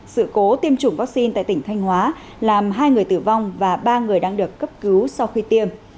sự cố tiêm chủng vaccine